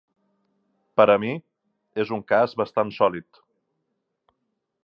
Per a mi, és un cas bastant sòlid.